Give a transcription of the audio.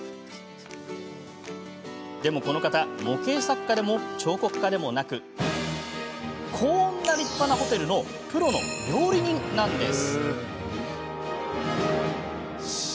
でも、この方模型作家でも彫刻家でもなくこんな立派なホテルのプロの料理人なんです。